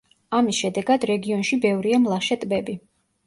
ამის შედეგად რეგიონში ბევრია მლაშე ტბები.